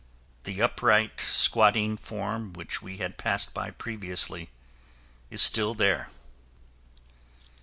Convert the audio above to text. The upright, squatting form which we had passed by previously is still there.